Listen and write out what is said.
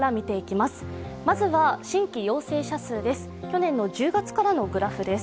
まずは新規陽性者数です。